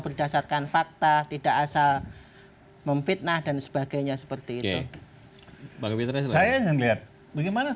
berdasarkan fakta tidak asal memfitnah dan sebagainya seperti itu saya ingin lihat bagaimana